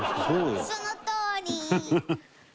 そのとおり。